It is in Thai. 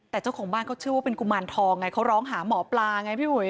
แต่เจ้าของบ้านเขาเชื่อว่าเป็นกุมารทองไงเขาร้องหาหมอปลาไงพี่อุ๋ย